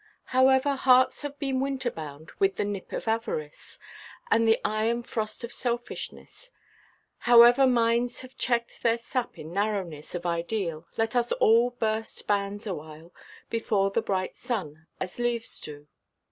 However hearts have been winter–bound with the nip of avarice, and the iron frost of selfishness, however minds have checked their sap in narrowness of ideal, let us all burst bands awhile before the bright sun, as leaves do.